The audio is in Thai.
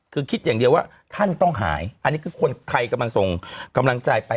คือคิดอย่างเดียวว่าท่านต้องหายอันนี้คือคนไทยกำลังส่งกำลังใจไป